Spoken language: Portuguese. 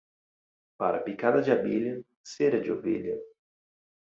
Para picada de abelha, cera de ovelha.